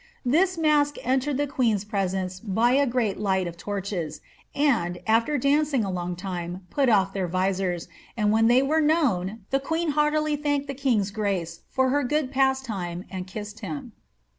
This mask entered the queen's presence by a great light of torches, and, afler dancing a long time, put off their visors ; and when they were known, the queen heartily thanked the king's grace for her good pastime, and kissed him.